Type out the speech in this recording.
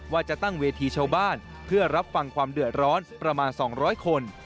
ว่าจะตั้งเวทีชาวบ้านเพื่อรับฟังความเดือดร้อนประมาณ๒๐๐คน